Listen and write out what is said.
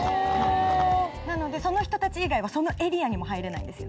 なのでその人たち以外はそのエリアにも入れないんですよ。